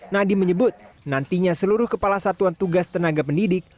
nadiem menyebut nantinya seluruh kepala satuan tugas tenaga pendidik